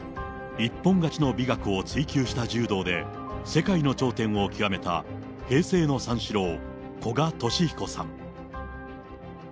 一本勝ちの美学を追求した柔道で、世界の頂点を極めた平成の三四郎、古賀稔彦さん。